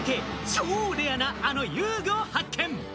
超レアな、あの遊具を発見。